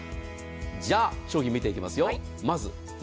じゃあ商品を見ていきますよ。